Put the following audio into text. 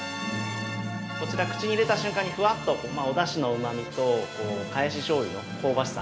◆こちら、口に入れた瞬間にふわっとお出汁ののうまみとかえししょうゆの香ばしさ